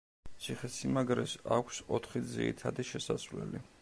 ციხესიმაგრეს აქვს ოთხი ძირითადი შესასვლელი.